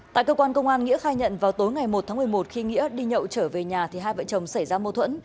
tại cơ quan công an nghĩa khai nhận vào tối ngày một tháng một mươi một khi nghĩa đi nhậu trở về nhà thì hai vợ chồng xảy ra mâu thuẫn